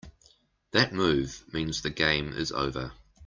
That move means the game is over.